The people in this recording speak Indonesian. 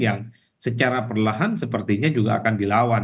yang secara perlahan sepertinya juga akan dilawan